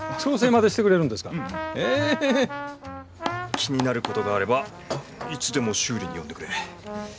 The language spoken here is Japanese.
気になることがあればいつでも修理に呼んでくれ。